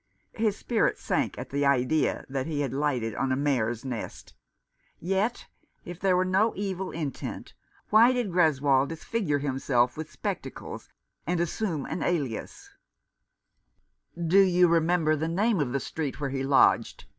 His spirits sank at the idea that he had lighted on a mare's nest. Yet, if there were no evil intent, why did Greswold disfigure himself with spectacles, and assume an alias ? 246 The Boyhood of Oliver Greswotd. "Do you remember the name of the street where he lodged